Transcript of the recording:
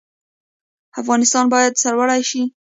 افغانستان باید سرلوړی شي